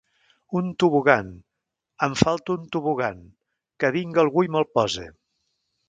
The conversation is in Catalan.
Un tobogan! Em falta un tobogan! Que vinga algú i me'l pose!